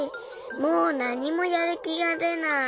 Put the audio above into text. もうなにもやるきがでない。